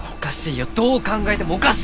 どう考えてもおかしいですよ！